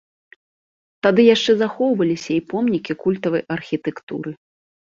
Тады яшчэ захоўваліся і помнікі культавай архітэктуры.